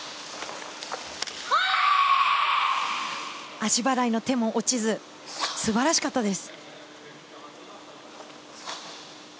足払いの手も落ちず素晴らしかったです。